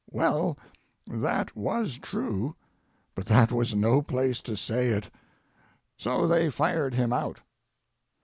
Well, that was true, but that was no place to say it—so they fired him out.